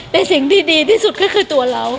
แต่สิ่งที่ดีที่สุดก็คือตัวเรา